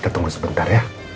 kita tunggu sebentar yah